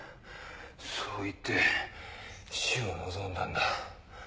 そう言って死を望んだんだ。